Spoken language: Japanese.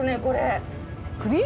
首？